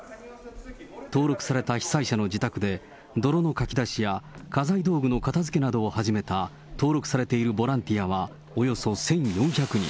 登録された被災者の自宅で、泥のかき出しや家財道具の片づけなどを始めた登録されているボランティアはおよそ１４００人。